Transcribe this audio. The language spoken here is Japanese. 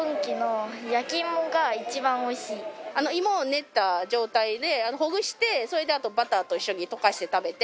芋を練った状態でほぐしてそれであとバターと一緒に溶かして食べて。